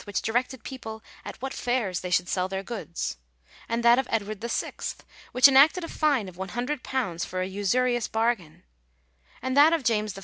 which directed people at what fairs they should sell their goods ; and that of Edward VI., which enacted a fine of £100 for a usurious bargain ; and that of James I.